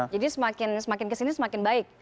jadi semakin kesini semakin baik